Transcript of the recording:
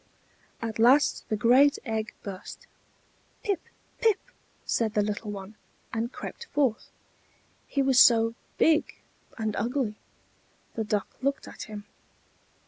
At last the great egg burst. "Pip! pip!" said the little one, and crept forth. He was so big and ugly. The Duck looked at him.